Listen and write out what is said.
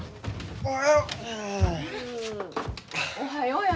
おはよう。